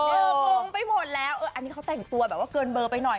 งงไปหมดแล้วอันนี้เขาแต่งตัวแบบว่าเกินเบอร์ไปหน่อย